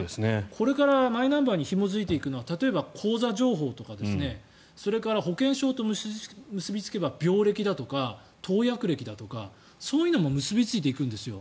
これからマイナンバーにひも付いていくのは例えば口座情報とかそれから保険証と結びつけば病歴だとか投薬歴だとか、そういうのも結びついていくんですよ。